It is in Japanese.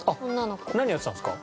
何やってたんですか？